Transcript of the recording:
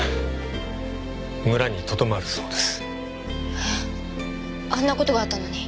えっあんな事があったのに？